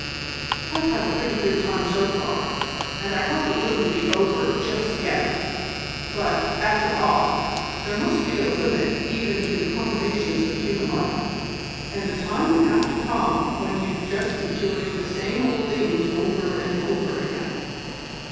I've had a pretty good time so far, and I hope it won't be over just yet; but, after all, there must be a limit even to the combinations of human life, and a time would have to come when you'd just be doing the same old things over and over again.